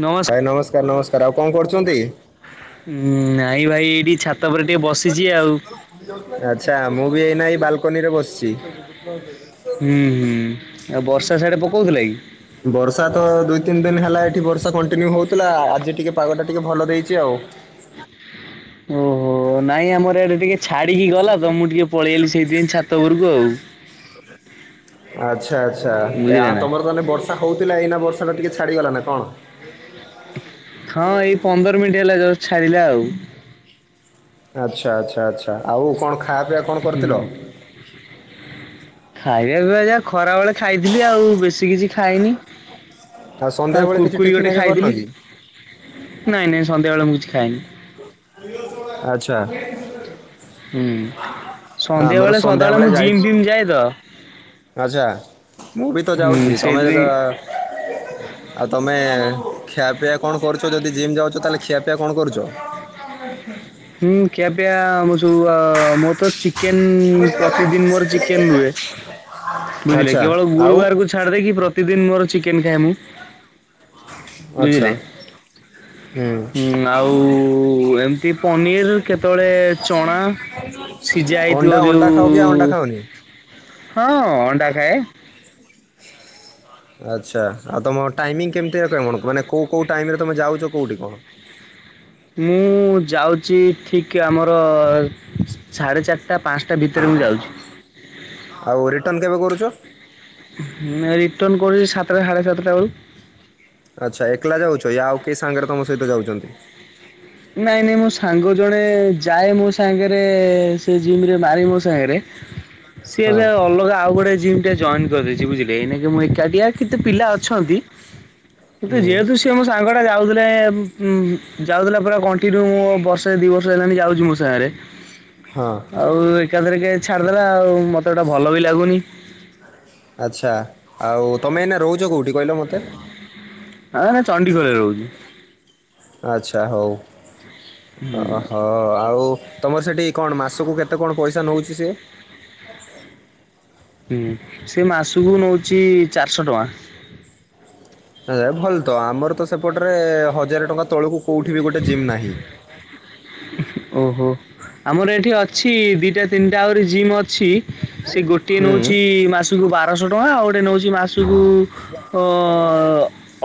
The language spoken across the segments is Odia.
ନମସ୍ ଭାଇ ନମସ୍କାର ନମସ୍କାର ଆଉ କଣ କରୁଛନ୍ତି? ଉ ନାଇଁ ଭାଇ ଏଇଠି ଛାତ ଉପ ଟିକେ ବସିଛି ଆଉ। ଆଛା ମୁଁ ବି ଏଇନା ଏ ବାଲକୁନି ରେ ବସିଛି। ହୁଁ ହୁଁ ଆଉ ବର୍ଷା ସାଡେ ପକଉଥିଲା କି? ବର୍ଷା ତ ଦୁଇ ତିନି ଦିନ ହେଲା ଏଠି ବର୍ଷା କଣ୍ଟିନ୍ୟୁ ହଉଥିଲା ଆଜି ଟିକେ ପାଗ ଟା ଟିକେ ଭଲ ଦେଇଛି ଆଉ। ଓହୋ ନାଇଁ ଆମର ଏଡେ ଟିକେ ଛାଡିକି ଗଲା ତ ମୁଁ ଟିକେ ପଳେଇଗଲି ସେଇଥିପାଇଁ ଛାତ ଉପରକୁ ଆଉ। ଆଚ୍ଛା ଆଚ୍ଛା ଆ ବୁଝିଲେ ନା ତମର ମାନେ ବର୍ଷା ହଉଥିଲା ଏଇନା ବର୍ଷା ଛାଡ଼ିଗଲା ନା କଣ? ହଁ ଏଇ ପନ୍ଦର ମିନିଟ୍ ହେଲା ଜଷ୍ଟ ଛାଡ଼ିଲା ଆଉ। ଆଚ୍ଛା ଆଚ୍ଛା ଆଚ୍ଛା ଆଉ କଣ ଖାୟା ପିଇବା କଣ ହୁଁ କରିଥିଲ? ଖାଇବା ପିଇବା ଜା ଖରାବେଳେ ଖାଇଥିଲି ଆଉ ବେଶୀ କିଛି ଖାଇନି। ଆଉ ସନ୍ଧ୍ୟାବେଳେ କିଛି କୁୁରକୁରି ଟିଫିନ୍ ଗୋଟେ ଏକା କରିନ ଖାଇଥିଲି କି ନାଇଁ ନାଇଁ ସନ୍ଧ୍ୟା ବେଳେ ମୁଁ କିଛି ଖାଇନି। ଆଚ୍ଛା। ହୁଁ ଆମର ସନ୍ଧ୍ୟାବେଳେ ସନ୍ଧ୍ୟା ସଦାବେଳେ ମୁଁ ବେଳେ ଯାଇ ଜିମ୍ ଫିମ୍ ଯାଏ ତ ଆଚ୍ଛା ମୁଁ ବି ତ ହୁଁ ଯାଉଛି ତମେ ସେଇଥିପାଇଁ ଯେତେବେଳେ ଆ ଆଉ ତମେ ଖିଆପିଇଆ କଣ କରୁଛ ଯଦି ଜିମ୍ ଯାଉଛ ତାହେଲେ ଖିଆପିଆ କଣ କରୁଛ? [unintelligible] ହୁଁ ଖିଆ ପିଆ ଆମର ସବୁ ମୋ ତ ଚି କେନ୍ ପ୍ରତିଦିନ ମୋର ଚିକେନ ହୁଏ ବୁଝିଲେ କି, ଆଚ୍ଛା କେବଳ ଆଉ ଗୁରୁବାର କୁ ଛାଡ ଦେଇକି ପ୍ରତିଦିନ ମୋର ଚିକେନ ଖାଏ ମୁଁ। ଆଚ୍ଛା ବୁଝିଲେ, ହୁଁ ଉଁ ଆଉ ଏମତି ପନିର୍ କେତେବେଳେ ଚଣା ସିଝା ଅଣ୍ଡା ହେଇଥିବ ଅଣ୍ଡା ଖାଅ କି ଆଉ ଅଣ୍ଡା ଯୋଉ ଖାଅନି ହଁ ଅଣ୍ଡା ଖାଏ। ଆଚ୍ଛା ଆଉ ତମ ଟାଇମିଙ୍ଗ କେମିତି ଆ କ କଣ ମାନେ କୋଉ କୋଉ ଟାଇମରେ ତମେ ଯାଉଛ କୋଉଠି କଣ? ମୁଁ ଯାଉଛି ଠିକ ଆମର ସାଢ଼େ ଚାରିଟ ଟା ପାଞ୍ଚଟା ଭିତରେ ମୁଁ ଯାଉଛି। ଆଉ ରିଟର୍ନ କେବେ କରୁଛ? ରିଟର୍ଣ କରଛିି ସାତଟା ସାଢ଼େ ସାତଟା ବେଳକୁ। ଆଚ୍ଛା ଏକଲା ଯାଉଛ ୟା ଆଉ କେହି ସାଙ୍ଗରେ ତମ ସହିତ ଯାଉଛନ୍ତି? ନାଇଁ ନାଇଁ ମୋ ସାଙ୍ଗ ଜଣେ ଯାଏ ମୋ ସାଙ୍ଗରେ ସେ ଜିମ ରେ ମାରି ମୋ ସାଙ୍ଗରେ। ସିଏ ହଁ ଏବେ ଆଉ ଅଲଗା ଆଉ ଗୋଟେ ଜିମ୍ ଟେ ଜଏନ୍ କରିଛି ବୁଝିଲେ ଏ ନକେ ମୁଁ ଏକାଟିଆ। କେତେ ପିଲା ଅଛନ୍ତି କିନ୍ତୁ ହୁଁ ଯେହେତୁ ସେ ମୋ ସାଙ୍ଗ ଟା ଯାଉଥିଲେ ଉଁ ଯାଉଥିଲେ ପୁରା କଣ୍ଟିନ୍ୟୁ ମୁ ବର୍ଷେ ଦି ବର୍ଷ। [inaudible] ଯାଉଛି ମୋ ସାଙ୍ଗରେ ହଁ ଆଉ ଏକାଥରେକେ। ଛାଡ଼ିଦେଲା ଆଉ ମୋତେ ଏଟା ଭଲ ବି ଲାଗୁନି। ଆଚ୍ଛା ଆଉ ତମେ ଏନା ରହୁଛ କେଉଠି କହିଲ ମୋତେ। ନାଇଁ ନାଇଁ ଚଣ୍ଡିଖୋଲ ରେ ରହୁଛି। ଆଚ୍ଛା ହଉ ହୁଁ ଅହ ଆଉ। ତମର ସେଠି କଣ ମାସକୁ କେତେ କଣ ପଇସା ନଉଚି ସିଏ। ହୁଁ ସେ ମାସକୁ ନଉଛି ଚାରିଶହ ଟଙ୍କା। ଭଲ ତ ଆମର ତ ସେପଟରେ ହଜାର ଟଙ୍କା ତଳକୁ କୋଉଠି ବି ଗୋଟେ ଜିମ୍ ନାହିଁ। ଓହୋ ଆମର ଏଠି ଅଛି ଦିଟା ତିନିଟା ଆହୁରି ଜିମ୍ ଅଛି। ସେ ଗୋଟିଏ ହୁଁ ନଉଛି ମାସକୁ ବାରଶହ ଟଙ୍କା ଆଉ ଗୋଟେ ନଉଛି ମାସକୁ ତ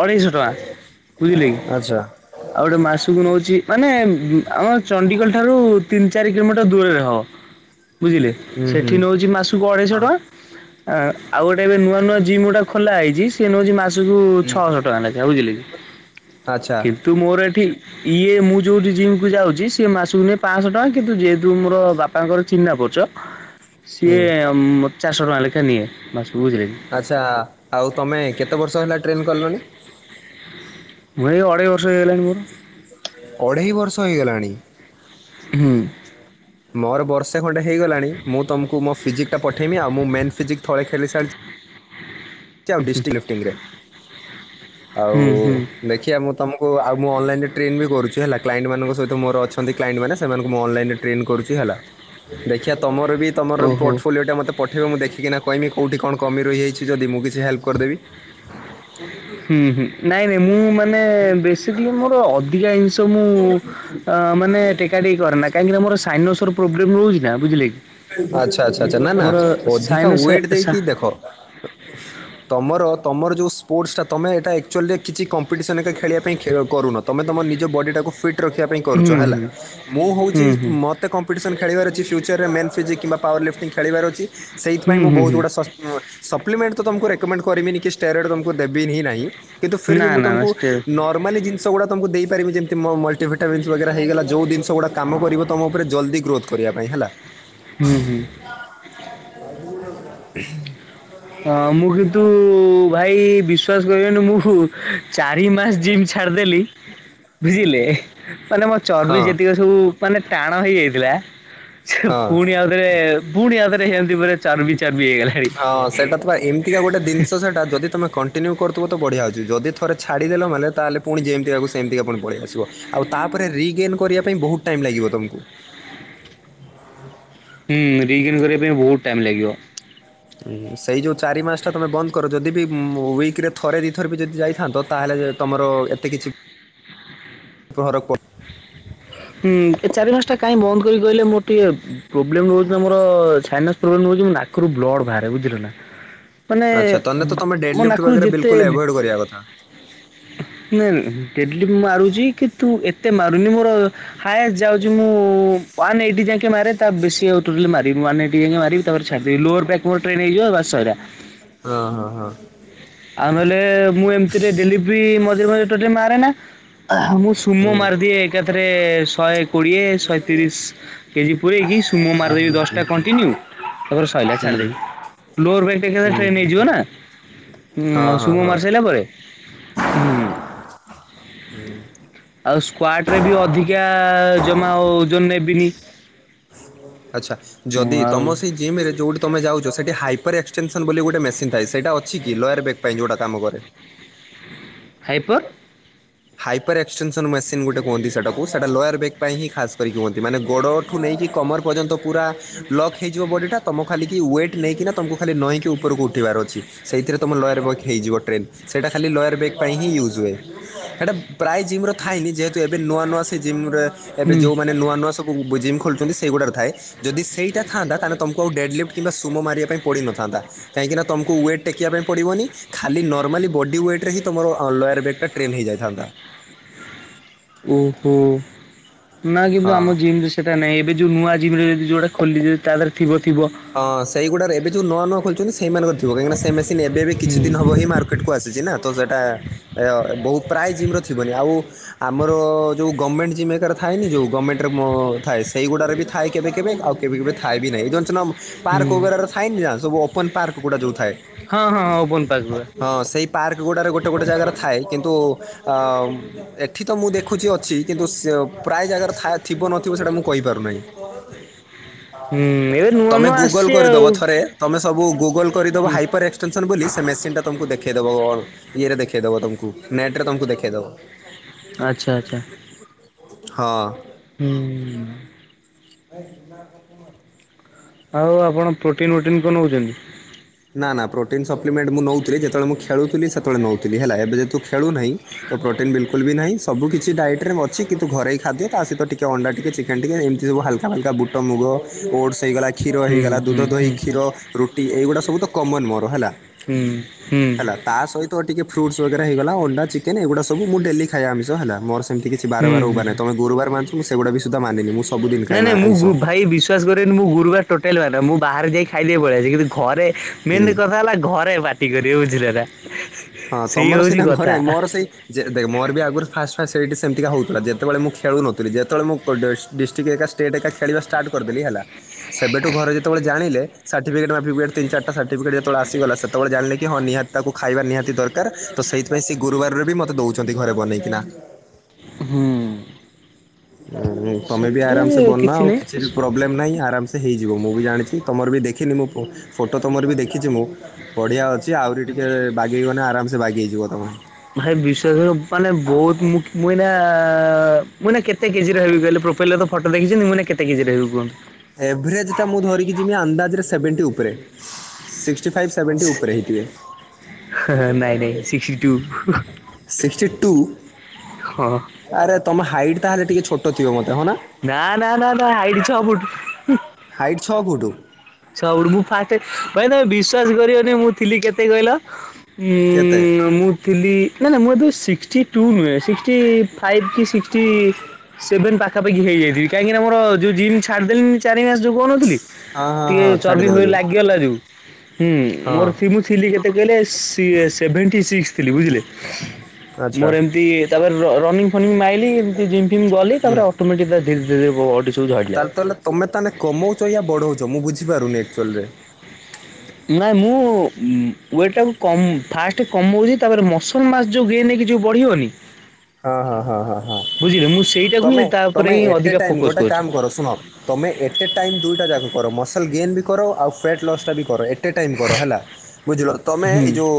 ଅଢ଼େଇଶହ ଟଙ୍କା। ବୁଝିଲେ କି ଆଚ୍ଛା। ଆଉ ଗୋଟେ ମାସକୁ ନଉଛି ମାନେ ଆମର ଚଣ୍ଡିଖୋଲ ଠାରୁ ତିନି ଚାରି କିଲୋମିଟର ଦୂରରେ ହବ। ବୁଝିଲେ ହୁଁ ହୁଁ ସେଠି ନେଉଛି ମାସକୁ ହଁ ଅଢେଇଶହ ଟଙ୍କା। ଆ ଆଉ ଗୋଟେ ଏବେ ନୂଆ ନୂଆ ଜିମ୍ ଗୋଟା ଖୋଲା ହେଇଛି। ସେ ନଉଛି ମାସକୁୁ ଛଅଶହ ଟଙ୍କା ଲେଖା ବୁଝିଲେ କି ଆଚ୍ଛା କିନ୍ତୁ ମୋର ଏଠି। ଇଏ ମୁଁ ଯୋଉ ଯି ସିଏ ମାସକୁ ନିଏ ପାଂଶ ଟଙ୍କା କିନ୍ତୁ ଯେହେତୁ ମୋର ବାପାଙ୍କର ଚିହ୍ନା ପରିଚୟ। ହୁଁ ସିଏ ଚାରିଶହ ଟଙ୍କା ଲେଖା ନିଏ ମାସକୁ ବୁଝିଲେ କି। ଆଚ୍ଛା ଆଉ ତମେ କେତେ ବର୍ଷ ହେଲା ଟ୍ରେନ୍ କଲଣି। ମୁଁ ଏଇ ଅଢେଇ ବର୍ଷ ହେଇଗଲାଣି ମୋର। ଅଢେଇ ବର୍ଷ ହେଇଗଲାଣି। ହୁଁ। ମୋର ବର୍ଷେ ଖଣ୍ଡେ ହେଇଗଲାଣି ମୁଁ ତମକୁ ମୋ ଫିଜିକ୍ ପଠେଇମି ଆଉଁ ମୁଁ ମେନ୍ ଫିଜିକ୍ ଥରେ ଖେଳି ସାରିଛି। ଅଛି ଆଉ ଡିଷ୍ଟିଙ୍ଗି ଲିପ୍ଟିଙ୍ଗି ରେ ଆଉ। ହୁଁ ହୁଁ ଦେଖିବା ମୁଁ ତମକୁ ଆଉ ମୁଁ ଅନଲାଇନରେ ଟ୍ରେନ୍ ବି କରୁଛି ହେଲା କ୍ଲାଇଣ୍ଟ ମାନଙ୍କ ସହିତ ମୋର ଅଛନ୍ତି କ୍ଲାଇଣ୍ଟ ମାନ ସେମାନଙ୍କୁ ମୁଁ ଅନଲାଇନରେ। ଟ୍ରେନ୍ କରୁଛି ହେଲା ଦେଖିବା ତମର। ମେଁବି ତମର ଓହୋ। ପୋର୍ଟଫୋଲିଓ ଟ ମତେ ପଠେଇ ମୁଁ ଦେଖି କିନା କହିବି କୋଉଠି କଣ କମି ରହିଯାଇଛି ଯଦ ମୁ କିଛି କିଛି ହେଲ୍ପ କରିଦେବି। ହୁଁ ହୁଁ ନାଇଁ ନାଇଁ ମୁଁ ମେ ମାନେ ବେସ୍କିଲି ମୋର ଅଧିକା ଜିନିଷ ମୁଁ ମାନେ ଟେକା ଟେକି କରେ ନା କହିଁକିନା ଆମ ସାଇନୋସର ପ୍ରୋବ୍ଲେମ୍ ରହୁଛି ନା ବୁଝିଲେ କି। ଆଚ୍ଛା ଆଚ୍ଛା ଆଚ୍ଛା ନା ନା ମୋର ଅଧିକା ସାଇନସ୍ ୱେଟ ସା ଦେଇକି ଦେଖ ତୁମର ତମର ସ୍ପୋର୍ଟ୍ସ ତମେ ଏଇଟା ଆକ୍ଚୁଲିରେ କିଛି କମ୍ପିଟିସନ୍ ଏକା ଖେଳିବା ପାଇଁ କରୁନ। ତମେ ତମ ନିଜ ବଡିଟାକୁ ଫଟ୍। ରିଖିବା ପାଇଁ କରୁଛ ହୁଁ ହେଲା ହୁଁ ମୁଁ ହୁଁ ହଉଛି ହୁଁ ମତେ କମ୍ପିଟିସନ ଖେଳିବାର ଅଛି ଫିୟୁଚର ରେ ମେ ପିଜିଙ୍ଗି କିବା ପାୱାର୍ ଲି୍ଟିଙ୍ଗ ଖେଳିବାର ଅଛି ସେଇଥିାଇଁ ହୁଁ ମୁ ହୁଁ ବହୁ ହୁଁ। ଗୁଡ଼ା ସ ହଁ ସପ୍ଲିମେଣ୍ଟ ତମକୁ ରେକମେଣ୍ଡ କରିବେନି କି ଷ୍ଟେରୋଡ଼ ତମକୁ ଦେବିନିଁ ନାହିଁ। କିନ୍ତୁ ନା ଫିରବୀ ମୁଁ ନା ନା ତମକୁ ଷ୍ଟେ ନର୍ମାଲି ଜିନିଷ ଗୁଡା ତମକୁ ଦେଇି ପାରିବି ଯେମତି ମଲ୍ଟିଭିଟାମିସ ବଗେରା ଯୋଉ ଜିନିଷ ଗୁଡା କାମ କରିବ ତମ ଉପରେ ଜଲଦି ଗ୍ରୋଥ କରିବା ପାଇଁ ହେଲା। ହୁଁ ହୁଁ। [unintelligible] ହଁ ମୁଁ କିନ୍ତୁ ଭାଇ ବିଶ୍ଵାସ କରିବନି ମୁଁ ଚାରି ମାସ ଜିମ ଚା ଛାଡି ଦେଲି। ବୁଝିଲେ ମାନେ ମୋ ହଁ ଚର୍ବି ଯେତିକି ସବୁ ମାନେ ଟାଣ ହେଇଯାଇଥିଲା। ସେ ହଁ ପୁଣି ଆଉଥରେ ପୁଣି ଆଉଥରେ ହେମିତି ଆଉଥରେ ଚାରବି ଚାରବି ହେଇଗଲା। ହଁ ସେଇଟା ତ ଏମିତିକା ଗୋଟେ ଜିନିଷ ସେଟା ଯଦି ତମେ କଣ୍ କଣ୍ଟିନ୍ୟଉ ତ ବଢ଼ିଆ ଅଛି ଯଦି ଥରେ ଛାଡ଼ିଦେଲ ମାନା ତାହଲେ ପୁଣି ଯେମିତିକାକୁ ସେମିତି ପୁଣି ପଳେଇ ଆସିବ। ଆଉ ତାପରେ ରିଗେନ୍ କରିବା ପାଇଁ ବହୁତ ଟାଇମ ଲାଗିବ ତମକୁ। ହୁଁ [unintelligible] କରିବା ପାଇଁ ବହୁତ ଟାଇମ ଲାଗିବ। ସେଇ ଯୋଉ ଚାରି ମାସ ଟା ତମେ ବନ୍ଦ କର ଯଦି ବି ୱିକ ରେ ଥରେ ଦିଥରେ ବି ଯଦି ଯାଇଥାନ୍ତ। ତାହେଲେ ତମର ଏତେ କିଛି ଘର କୋ ହୁଁ ଏ ଚାରି ମାସ ଟା କାହିଁ ବନ୍ଦ କରି କହିଲେ ମୋର ଟିକେ ପ୍ରୋବ୍ଲେମ ରହୁଛି ମୋର [unintelligible] ପ୍ରୋବ୍ଲେମ୍ ହେଉଛି ମୋ ନାକରୁ ବ୍ଲଡ଼୍ ବାହାରେ ବୁଝିଲ ନା। ମାନେ ଆଚ୍ଛା ତମେ ତ ତମ ମୋ ଡେଲି ନାକରୁ [unintelligible] ଯେତେ ବିଲକୁଲଆଭଏଡ କରିବା କଥା। ନାଇଁ ନାଇଁ ଡେଲି ମୁଁ ମାରୁଛି କିନ୍ତୁ ଏତେ ମାରୁନି ମୋର। ହାଏ ଯାଉଛି ମୁଁ ୱାନ୍ ଏଇଟି ଜାକେ ମାରେ ତା ବେଶୀ ଆଉ ଟୋଟଲ [unintelligible] ମାରିବି ତାପରେ ଛାଡିଦେବୀ [unintelligible] ନେଇଯିବ ବସ୍ ସଇଲା। ହଁ ହଁ ହଁ। ଆଉ ନହେଲେ ମୁଁ ଏମିତିରେ ଡେଲି ବି ମଝିରେ ମଝିରେ ଟୋଟାଲ୍ ମାରେନା। ମୁଁ ସୁମ ହୁଁ ମାରିଦିଏ ଏକାଥରେ ଶହେ କୋଡ଼ିଏ ଶହେ ତିରିଶ। କେଜି ପୁରଇକି ସୁୁଙ୍ଗ ମାରିଦେବି ଦଶଟା କଣ୍ଟିନ୍ୟୁ ତାପରେ ସଇଲା ହୁଁ ଛାଡିଦେବି। ଲୋର ହୁଁ ହୁଁ, [unintelligible] ନେଇଯିବ ହୁଁ। ନା। ହୁଁ ହଁ ଆଉ ହଁ ଶୁମ ମାରି ହଁ। ସାରିଲା ପରେ ହୁଁ। ହୁଁ। ଆଉ ସ୍କ୍ୱଟ୍ ରେ ବି ଅଧିକା ଜମା ଓଜନ ନେବିନି। ଆଛା ମୁଁ ଯଦି ଆଉ ତମ ସେଇ ଜିମେ ଯେଉଁଠି ତୁମେ ଯଉଛ ସେଇଠି ହାଇପର ଏକ୍ସଟେନସନ୍ ବୋଲି ଗୋଟେ ମେସିନ୍ ଥାଏ ସେଇଟା ଅଛି କି ଲୋୟାର୍ ବେଗ୍ ପାଇଁ ଯୋଉଁଟା କାମକରେ। ହାଇପର୍। ହାଇପର୍ ଏକ୍ସଟେସନନ୍ ମେସିନ୍ ଗୋଟେ କୁହନ୍ତି ସେଟାକୁ ସେଇଟା ଲୋୟାର୍ ବେକ୍ ପାଇଁହିଁ ଖାସ୍ କରିକ କୁହନ୍ତି ମାନେ ଗୋଡ଼ ଠୁ ନେଇକି କମର୍ ପର୍ଯ୍ୟନ୍ତ ପୁରା ଲକ୍ ହେଇଯିବ ବଡି ଟା ତମ ଖାଲିକି ୱେଟ୍ ନେଇକିନା ତମକୁ ଖାଲି ନହିଁକି ଉପରକୁ ଉଠେଇବାର ଅଛି ସେଇଥିରେ ତମ ଲୟାର ବେଗ୍ ହୋଇଯିବ ଟ୍ରେନ୍ ସେଇଟା ଖାଲି ଲୟାର ବେଗ୍ ପାଇଁ ହି ୟୁଜ୍ ହୁଏ। ସେଟା ପ୍ରାୟ ଜିମ୍ ରେ ଥାଏନି ଯେହେତୁ ଏବେ ନୂଆ ନୂଆ ସେ ଜିମ ରେ ଏବେ ହୁଁ ଯଉମାନେ ନୂଆ ନୂଆ ସବୁ। ଜୀମ ଖୋଲୁଛନ୍ତି ସେଇଗୁଡ଼ାକ ରେ ଥାଏ ଯଦି ସେଇଟା ଥାନ୍ତା ତାହେଲେ ତମକୁ କେଉଁ ଡେଡ଼୍ଲିଫ୍ କିମ୍ବା ସୁମ ମିବା ପାଇଁ ପଡ଼ିନଥାନ୍ତା। କାହିଁକି ନା ତମକୁ ୱେଟ୍ ଟେକିବା ପାଇଁ ପଡ଼ନି ଖାଲି ନର୍ମାଲି ବଡି ୱେଟ ରେ ହି ତମର ଲୋୟାର ବଗ ଟା ଟ୍ରେନ୍ ହେଇଯାଏ। ଥା ନ୍ତା। ଓହୋ ନା କିନ୍ତୁ ହଁ। ଆମ ଜିମ୍ ରେ ସେଇଟା ନାଁ ଏବେ ଯେଉଁ ନୂଆ ଯିମରେ ଯିଏ ଯଉଁଟା ଖୋଲି ଥିବ ତା ଦେହରେ ଥିବଥିବ। ହଁ ସେଇଗୁଡ଼ାରେ ଏବେ ଯୋଉ ନୂଆ ନୂଆ ଖୋଲିଛନ୍ତି ସେଇମାନଙ୍କର ଥିବ କାହିକିନା ସେ ମେସିନ ଏବେ ବି ହୁଁ କିଛି ଦିନ ହବହି ମାର୍କେଟକୁ କୁ ଆସିଛି ନା ତ ସେଇଟା ବହୁତ ପ୍ରାଏ ଜିମ୍ର ଥିବନି ଆଉ ଆମର ଯଉ ଗଭର୍ଣ୍ଣମେଣ୍ଟ ଜିମ ହେରିକା ରେ ଥାଏନି ଯୋଉ ଗଭର୍ଣ୍ଣମେଣ୍ଟ ରେ ଥାଏ ସେଇଗୁଡାରେ ବି ଥାଏ କେବେ କେବେ ଆଉ କେବେ କେବେ ଥାଏ ବି ନାହିଁ ଜାଣିଛନା ହୁଁ ପାର୍କଓଗାରରେ ଥାଏନି ଯା ସବୁ ଓପନ ପାର୍କ ଗୁଡ଼ା ଯେଉଁଥାଏ। ହଁ ହଁ ଓପନ୍ ପାର୍କ ଗୂରା ହଁ ସେଇ ପାର୍କ ଗୁଡ଼ାରେ ଗୋଟେ ଗୋଟେ ଜାଗାରେ ଥାଏ କିନ୍ତୁ ଏଠି ତ ମୁଁ ଦେଖୁଛି ଅଛି। କିନ୍ତୁ ସେ ପ୍ରାୟ ଜାଗାରେ ଥିବ ନଥିବ ସେଇଟା ମୁଁ କହିପାରୁନାହିଁ। ହୁଁ ଏବେ ନୂଆ ତମେ ନୂଆ ଗୁଗଲ ଆସିଚି ଆଉ କରିଦବ ଥରେ ତମେ ସବୁ ଗୁଗଲ କରିଦବ ହୁଁ ହାଇପର ଏ ଏସନ୍ ବୋଲି ସେ ମେସିନ୍ ଟା ତମକୁ ଦେଖେଇଦବ ଇଏରେ ଦେଖେଇଦବ ତମକୁ ନେଟ ରେ ତମକୁ ଦେଖେଇଦବ। ଆଚ୍ଛା ଆଚ୍ଛା। ହଁ। ହୁଁ। [inaudible] ଆଉ ଆପଣ ପ୍ରୋଟିନ୍ ପ୍ରୋଟିନ୍ କଣ ନଉଛନ୍ତି? ନା ନା ପ୍ରୋଟିନ୍ ସପ୍ଲିମେଣ୍ଟ ମୁଁ ନଉଥିଲି ଯେତେବେଳେ ମୁଁ ଖେଳୁଥିଲି ସେତେବେଳେ ନଉଥିଲି ହେଲା ଏବେ ଜେହେତୁ ଖେଳୁନାହିଁ। ତ ପ୍ରୋଟିନ୍ ବିଲ୍ କୁଲ୍ ବି ନାହିଁ ସବୁ କିଛି ଡାଇଟ ରେ ଅଛି କିନ୍ତୁ ଘରୋଇ ଖାଦ୍ୟ ତା ସହିତ ଟିକେ ଅଣ୍ଡା ଟିକେ ଚି କେନ୍ ଟିକେ ଏମିତି ସବୁ ହାଲକା ଫାଲକା ବୁଟ ମୁଗ ଓଟ୍ସ ହେଇଗଲା। କ୍ଷୀର ହୁଁ ହେଇଗଲା ଦୁଧ ହୁଁ ଦହି ହୁଁ ହୁଁ କ୍ଷୀର ରୁଟି ଏଇଗୁଡ଼ା ସବୁ। ତ କମନ ମୋର ହେଲା ହୁଁ ହୁଁ ହୁଁ ହେଲା। ତା ସହିତ ଟିକେ ଫ୍ରୁଟ୍ସ ବଗେରା ହେଇଗଲା ଅଣ୍ଡା ଚିକେନ ଏଗୁଡା ସବୁଁ ମୁଁ ଡେଲି ଖାଇବା ଆମିଷ ହେଲା ମୋର ସେମିତ୍ କିଛି କିଛି ବାର ହୁଁ ବାଡ୍ ହୁଁ। ଉଗା ନଇଁ ତମେ ଗୁରୁବାର ମାନୁଛ ମୁଁ ସେଗୁାଡା ବି ସୁଧା ମାନିନି ମୁଁ ସବୁଦିନ ଖାଏ ନାଇଁ ମା ନାଇ ମୁଁ ଆଇଁଷ ଭୁ ଭାଇ ବିସ୍ ବିଶ୍ୱାସ କରିବେନି ମୁଁ ଗୁରୁବାର ଟୋଟାଲ ବାରେନା ମୁଁ ବାହାରେ ଯାଇ ଖାଇଦେଇକି ପଳେଇଆସେ କିନ୍ତୁ ଘରେ ମେନ ହୁଁ କଥା ହେଲା ଘରେ ପାଟି କରିବେ ବୁଝିଲେ ନାଁ ହଁ ସେଇ ତମର ହଉଚି ସିନା ଘରେ କଥା। ମୋର ସେଇ ଯେ ଦେଖ ମୋର ବି ଆଗରୁ ଫାଷ୍ଟ ଫାଷ୍ଟ ସେଇଠି ସେମତିକା ହଉଥିଲା ଯେତେବେଳେ ମୁଁ ଖେଳୁନଥିଲି ଯେତେବେଳେ ମୁଁ ଡିଷ୍ଟ୍ରିକ୍ଟ ଏକା ଏକା ଖେଳିବା ଷ୍ଟାର୍ଟ କରିଦେଲି ହେଲା ସେବେଠୁ ଘରେ ଯେତେବେଳେ ଜାିଣିଲେ ସାର୍ଟିଫିକେଟ୍ ଫାଟିପିକେଟ ତିନି ଚାରି ତ ସଟିଫିକେଟ ଯେତେବେଳେ ଆସିଗଲା ସେତେବେଳେ ଜାଣିଲେ କି ହଁ ନିହାତି ତାକୁ ଖାଇବା ନିହାତି ଦରକାର ତ ସେଇଥି ବେସି ଗୁରୁବାରରେ ବି ମୋତେ ଦେଉଛନ୍ତି ଘରେ ବନେଇକିନା। ହୁଁ। ଓ ତମେ ବି ସେଥିରେ ଆରାମସେ ବନ ଆଉ ନାହିଁ କିଛି ପ୍ରୋବ୍ଲେମ୍ ନାହିଁ ଆରାମସେ ହେଇଯିବ ମୁଁ ବି ଜାଣିଛି ତୁମର ବି ଦେଖିନି ମୁଁ ଫଟୋ ତୁମର ବି ଦେଖିଛି ମୁଁ ବଢିଆ ଅଛି ଆହୁରି ଟିକେ ବାଗେଇଗନେ ଆରାମସେ ବାଗେଇଯିବ ତମେ। ଭାଇ ବିଶ୍ୱାସ କରିବ ମାନେ ବହୁତ ମୁ ଏଇନା ମୁ ଏଇନ କେତ୍ କେତେ କେଜିର ହେବି କହିଲେ ପ୍ରୋଫାଇଲ୍ ରେ ତ ଫଟୋ ଦେଖଛନ୍ତି ମୁଁ ଏଇନା କେତ କେଜିର ହେବି କୁହନ୍ତୁ। ଏଭରେଜଟା ମୁଁ ଧରିକି ଯିବି ଅନ୍ଦାଜରେ ସେଭେଣ୍ଟି ଉପରେ ସିକ୍ସି ସିକ୍ଟି ଫାଇଭ୍ ସେଭେଣ୍ଟି ଉପରେ ହେଇଥିବେ। ନାଇଁ ନାଇଁ ସିକ୍ସଟି ଟୁ ସିକ୍ସଟି ଟୁ ହଁ। ଆରେ ତମ ହାଇଟ୍ ତାହେଲେ ଟିକେ ଛୋଟ ଥିବ ମୋତେ ହ ନା। ନା ନା ନା ନା ହାଇଟ୍ ଛ ଫୁଟ୍। ହାଇଟ୍ ଛଅ ଫୁଟ। ଛ ଫୁଟ ମୁଁ ଫାଷ୍ଟ୍ ଭାଇ ତମେ ବିଶ୍ଵାସ କରିବେନି ମୁଁ ଥିଲି କେତେ କହିଲ। କେତେ ଉଁ ମୁଁ ଥିଲି ନା ନା ମୁଁ ଏବେ ସିକ୍ସୀ ଟୁ ନୁହେଁ ସିକ୍ସି ଟି ଫାଇଭ କି ସିକ୍ସିଟି ସେଭେନ ପାଖ ପାଖାପଖି ହେଇଯାଇଥିବି କହିଁକି ନା ମୋର ଯୋଉ ଜିମ୍ ଛାଡ଼ିଦେଲିନି ଚାରି ମାସ ଯୋଉ କହୁନଥିଲି ହ [inaudible] ଟିକେ ଚର୍ବି ଫର୍ବି ଲାଗିଗଲା ରୁ ହୁଁ ହଁ ମୋର ଥି ମୁ ଥିଲି କେତେ କହିଲେ ସି ସେଭେଣ୍ଟି ସିକ୍ସ ଥିଲି ବୁଝିଲେ। ଆଚ୍ଛା ମୋର ଏମିତି ତାପରେ ରନିଙ୍ଗ ଫନିଂ ମାଇଲି ଏମତି ଜିମ୍ ଫିମ୍ ଗଲି ତାପରେ ଅଟୋମେଟିକ ଧୀରେ ଧୀରେ ବଡି ସବୁ ଝଡ଼ିଲା। ତାଲେ ତଲେ ତମେ ତାହେଲେ କମଉଛ ୟା ବଢୋଉଛ ମୁଁ ବୁଝିପାରୁନି ଆକଚୁଏଲରେ। ନା ମୁଁ ୱେଟ ଟାକୁ କମ ଫାଷ୍ଟ କମଉଛି ତାପରେ ମସ ପ୍ରଥମ ମାସ ଯୋଉ ଗେନ୍ ନେଇକ ଯୋଉ ବଢ଼ିବନି। [inaudible] ହଁ ହଁ ହଁ ହଁ ହଁ ମୁଁ ସେଇଟାକୁ ହିଁ ତମେ ତାପରେ ତମେ ହିଁ ଏଟ ଅଧିକା ଟାଇମ ଫୋକସ୍ ଗୋଟେ କରୁଛି। କାମ କର ଶୁଣ। ତମେ ଏଟ୍ ଏ ଟାଇମ ଦୁଇଟା ଯା କର ମସଲ ଗେନ୍ ବି କର ଆଉ ୱେଟ୍ ଲସ୍ ଟା ବି କର। ଗୋଟେ ଟାଇମ କର ହେଲା ବୁଝିଲ ତମେ ହୁଁ ଏଇ ଯୋଉ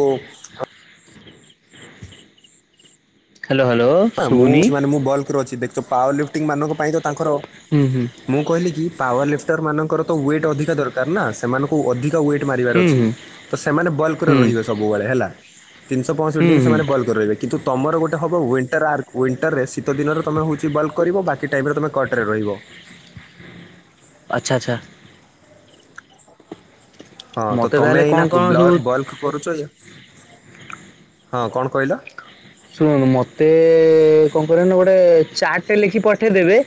ହ୍ୟାଲୋ ହ୍ୟାଲୋ। ନା ମୁଁ ଶୁଭୁନି ମାନେ ମୁଁ ବଲକ ର ଅଛି ଦେଖଛ ପାୱାର ଲିଫ୍ଟିଂ ମାନଙ୍କ ପାଇଁ ତ ତାଙ୍କର ହୁଁ ହୁଁ ମୁଁ କହିଲି କି ପାୱାର ଲିଫ୍ଟର ମାନଙ୍କର ତ ୱେଟ୍ ଅଧିକା ଦରକାର ନା ସେମାନଙ୍କୁ ଅଧିକ ୱେଟ୍ ମାରିବାର ହୁଁ ଅଛି ହୁଁ ତ ସେମାନେ ବଲ୍କରେ ହୁଁ ରହିବେ ସବୁବେଳେ ହେଲା, ତିନିଶହ ପଂଷଠି ହୁଁ ଦିନ ହୁଁ ସେମାନେ ବଲ୍କରେ ରହିବେ କିନ୍ତୁ ତମର ଗୋଟେ ହବ ୱିଣ୍ଟର୍ ଆର୍, ୱିଣ୍ଟରରେ ଶୀତ ଦିନରେ ତମେ ହଉଛି ବଲ୍କ କରିବ ବାକି ଟାଇମ ରେ ତମେ କଟରେ ରହିବ। ଆଚ୍ଛା ଆଚ୍ଛା। ହଁ ତ ମତେ ତମେ ତାହେଲେ କଣ ଏଇନା କଣ ସବୁ ବ୍ଲର୍କ ବଲ୍କ କରୁଛ। ହଁ କଣ କହିଲ? ଶୁଣନ୍ତୁ ମତେ କଣ କରିବେ ନା ଗୋଟେ ଚାର୍ଟଟେ ଲେଖି ପଠେଇଦେବେ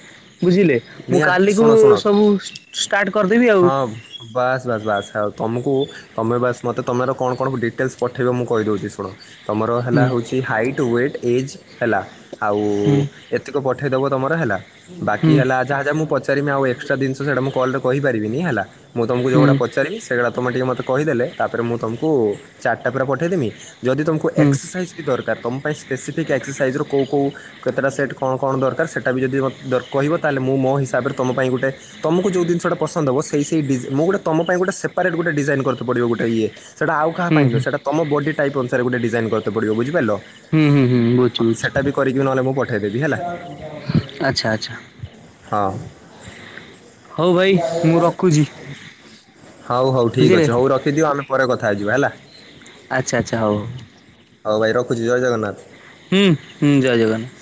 ବୁଝିଲେ ମୁଁ ନିହାତି କାଲିକୁୁ ଶୁଣ ଶୁଣ ସବୁ ସ ଷ୍ଟାର୍ଟ କରିଦେବି ଆଉ ହଁ ବାସ୍ ବାସ୍ ବାସ୍ ଆଉ ତମୁକୁ ତମେ ବାସ ମତେ ତମର କଣ କଣ ଡିଟେଲସ୍ ପଠେଇବ ମୁଁ କହିଦଉଛି ଶୁଣ ତମର ହେଲା ହୁଁ ହେଉଛି ହାଇଟ୍ ୱେଟ୍ ଏଜ୍ ହେଲା। ଆଉ, ହୁଁ ଏତିକି ପଠେଇଦବ ତମର ହେଲା ବାକି ହୁଁ ହେଲା, ଯାହା ଯହା ମୁଁ ପଚାରି ଆଉ ଏକ୍ସଟ୍ରା ଜିନିଷ ସେଇଟା ମୁଁ କଲରେ କହିପାରିବି। ହେଲା ମୁଁ ତମକୁ ହୁଁ ଯୋଉଟା ପଚାରିବି ସେ ସେଗୁଡ଼ା ତୁମେ ଟିକିଏ ମୋତେ କହିଦେଲେ, ତାପରେ ମୁଁ ତମକୁ ଚାଟ ପୁରା ପଠାଇଦେମି। ଯଦି ତୁମକୁ ହୁଁ ଏକ୍ସରସାଇଜ୍ ଦରକାର ତମ ପାଇଁ ସ୍ପେସିଫିକ୍କ୍ସରସଜ୍ର କଉ କେଉ କେତେଟା ସେଟ୍ କଣ କଣ ଦରକାର, ସେଟା ବି ଯଦି ମତେ ଦରକାର କହିବ ତାହେଲେ। ମୁଁ ମୋ ହିସାବରେ ତମ ପାଇଁ ଗୋଟେ ତମକୁ ଯେଉଁ ଜିନିଟା ପସନ୍ଦ ହେବ ସେଇ ସେହି ଡିଜ ମୁଁ ଗୋଟେ ତମ ପାଇଁ ଗୋଟେ ସେପାରେଟ ଗୋଟେ ଡିଜାଇନ କରି ପଡିବୋଟେ ଇ ସେଇଟ ଆଉ କାହା ହୁଁ ପାଇଁ ହୁଁ ସେଟ ତମ ବଡି ଟାଇପ ଅନୁସାରେ ଗଟେ ଡିାଇନ କରି ପିବ ବୁଝିପାରିଲ। ହୁଁ ହୁଁ ହୁଁ ବୁଛୁ ସେଟା ବୁଝଛୁ। ବି କରିକି ନହେଲେ ମୁଁ ପଠାଇଦେବି ହେଲା। ଆଚ୍ଛା ଆଚ୍ଛା ହଁ ହଉ ଭାଇ ମୁଁ ରଖୁଛି ହଉ ହଉ ଠିକ୍ ବୁଝିଲେ ଅଛି ହଉ ରଖିଦିଅ। ଆମେ ପରେ କଥା ହେଇଯିବା ହେଲା। ଆଚ୍ଛା ଆଚ୍ଛା, ହଉ ହଉ ହଉ ଭାଇ ରଖୁଛି, ଜୟ ଜଗନ୍ନାଥ। ହୁଁ ହୁଁ ଜୟ ଜଗାନ୍ନାଥ।